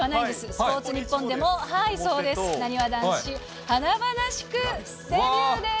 スポーツニッポンでも、そうです、なにわ男子、華々しくデビューです。